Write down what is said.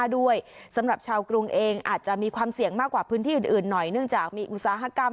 ด้วยสำหรับชาวกรุงเองอาจจะมีความเสี่ยงมากกว่าพื้นที่อื่นหน่อยเนื่องจากมีอุตสาหกรรม